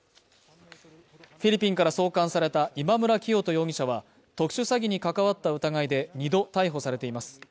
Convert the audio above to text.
フィリピンから送還された今村磨人容疑者は特殊詐欺に関わった疑いで２度逮捕されています。